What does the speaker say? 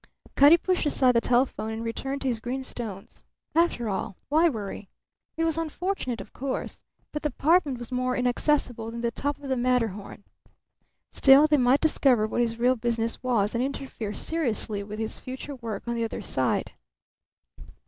Cutty pushed aside the telephone and returned to his green stones. After all, why worry? It was unfortunate, of course, but the apartment was more inaccessible than the top of the Matterhorn. Still, they might discover what his real business was and interfere seriously with his future work on the other side.